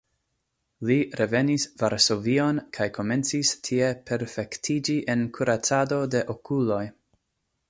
Li revenis Varsovion kaj komencis tie perfektiĝi en kuracado de okuloj.